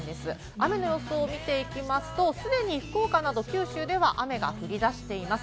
雨の予想を見ていきますと、すでに福岡など九州では雨が降り出しています。